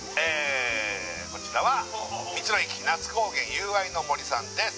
こちらは道の駅那須高原友愛の森さんです